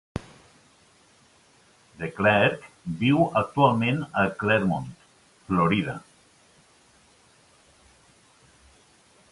DeClercq viu actualment a Clermont, Florida.